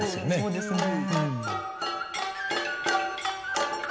そうですよね。